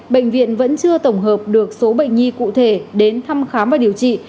bệnh viện vẫn chưa tổng hợp được số bệnh nhi cụ thể đến thăm khám và điều trị